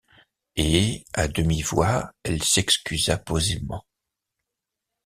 Et, à demi-voix, elle s’excusa posément.